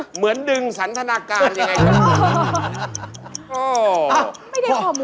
เหมือนดึงสันทนาการยังไงครับ